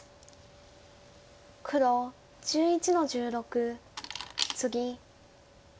黒１１の十六ツギ。